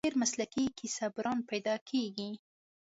هلته ډېر مسلکي کیسه بُران پیدا کېږي.